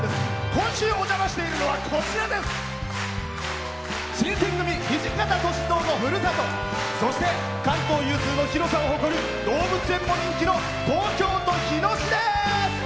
今週お邪魔しているのは新選組、土方歳三のふるさとそして関東有数の広さを誇る動物園も人気の東京都日野市です！